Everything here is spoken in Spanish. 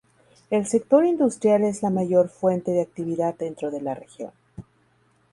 El sector industrial es la mayor fuente de actividad dentro de la región.